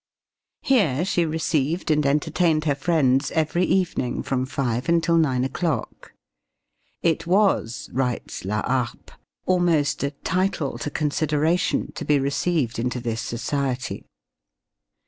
Here she received and entertained her friends every evening from five until nine o'clock. "It was," writes La Harpe, "almost a title to consideration to be received into this society."